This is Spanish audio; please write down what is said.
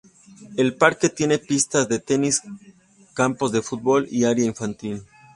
El parque tiene pistas de tenis, campo de fútbol y área infantil.